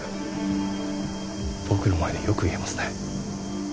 僕の前でよく言えますね。